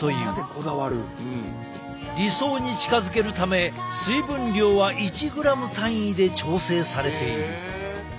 理想に近づけるため水分量は１ｇ単位で調整されている。